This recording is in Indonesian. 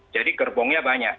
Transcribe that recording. jadi gerbongnya banyak